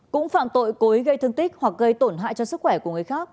cũng phạm tội cố ý gây thương tích hoặc gây tổn hại cho sức khỏe của người khác